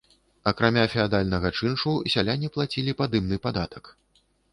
Акрамя феадальнага чыншу, сяляне плацілі падымны падатак.